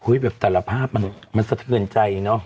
แบบแต่ละภาพมันสะเทือนใจเนอะ